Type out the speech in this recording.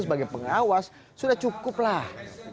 sebagai pengawas sudah cukup lah